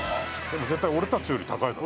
絶対俺たちより高いだろ。